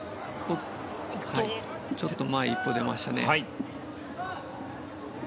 ちょっと前に１歩出ましたね。